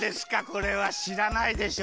これはしらないでしょ？